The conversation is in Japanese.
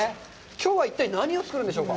きょうは一体何を作るんでしょうか。